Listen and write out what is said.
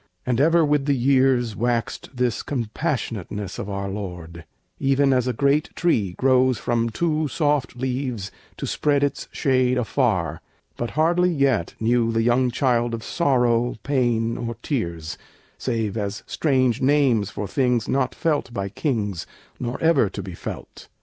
And ever with the years Waxed this compassionateness of our Lord, Even as a great tree grows from two soft leaves To spread its shade afar; but hardly yet Knew the young child of sorrow, pain, or tears, Save as strange names for things not felt by kings, Nor ever to be felt.